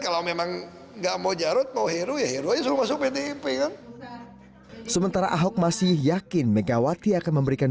kepada pdip ahok juga meminta ahok untuk memiliki pasangan yang merupakan kader pdip